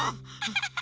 ハハハ！